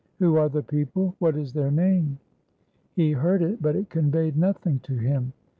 "Who are the people? What is their name?" He heard it, but it conveyed nothing to him.